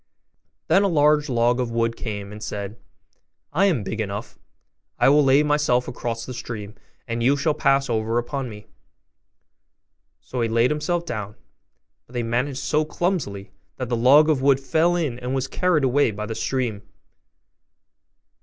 Then a large log of wood came and said, 'I am big enough; I will lay myself across the stream, and you shall pass over upon me.' So he laid himself down; but they managed so clumsily, that the log of wood fell in and was carried away by the stream.